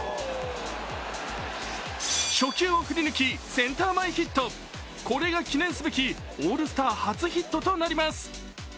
初球を振り抜き、センター前ヒットこれが記念すべきオールスター初ヒットとなります。